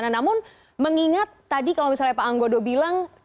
namun mengingat tadi kalau misalnya pak anggodo bilang